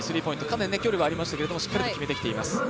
かなり距離はありましたけれどもしっかりと決めてきています。